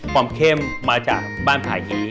ความเข้มมาจากบ้านผ่ายฮี